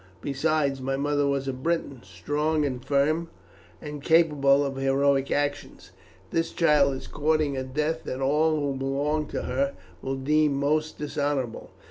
Besides, my mother was a Briton, strong and firm, and capable of heroic actions. This child is courting a death that all who belong to her will deem most dishonourable.